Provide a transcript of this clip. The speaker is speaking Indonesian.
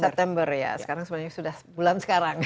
september ya sekarang sebenarnya sudah bulan sekarang ya